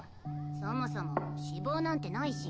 そもそも脂肪なんてないし。